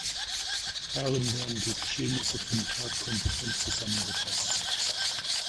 Darin werden die Geschehnisse vom Tag kompetent zusammengefasst.